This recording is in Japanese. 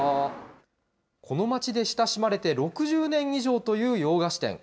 この町で親しまれて６０年以上という洋菓子店。